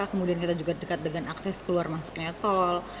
kemudian kita juga dekat dengan akses keluar masuknya tol